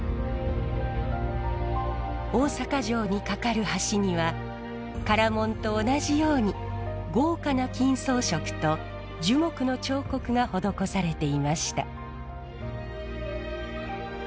大坂城に架かる橋には唐門と同じように豪華な金装飾と樹木の彫刻が施されていました。